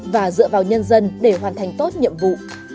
và dựa vào nhân dân để hoàn thành tốt nhiệm vụ